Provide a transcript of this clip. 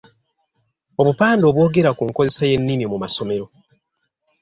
Obupande obwogera ku nkozesa y’ennimi mu masomero.